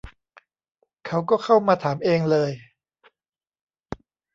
เขาก็เข้ามาถามเองเลย